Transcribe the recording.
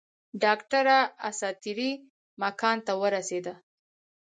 ډاکټره اساطیري مکان ته ورسېده.